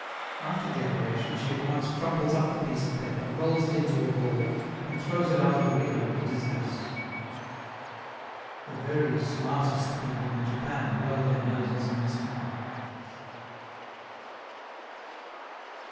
After the operation she at once crumples up the piece of paper, rolls it into a ball, and throws it out of the window with disgust. The very smartest people in Japan blow their noses in this manner.